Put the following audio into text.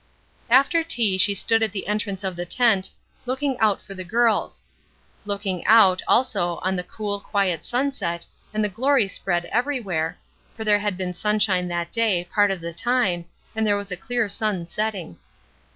After tea she stood at the entrance of the tent, looking out for the girls looking out, also, on the cool, quiet sunset and the glory spread everywhere, for there had been sunshine that day, part of the time, and there was a clear sun setting.